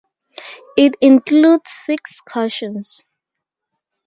It includes six questions.